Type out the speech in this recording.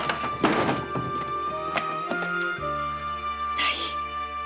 ない！